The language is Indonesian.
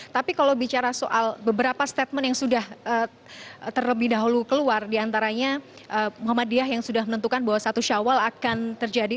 tapi kalau bicara soal beberapa statement yang sudah terlebih dahulu keluar diantaranya muhammadiyah yang sudah menentukan bahwa satu syawal akan terjadi